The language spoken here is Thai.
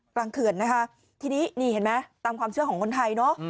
เขื่อนนะคะทีนี้นี่เห็นไหมตามความเชื่อของคนไทยเนอะ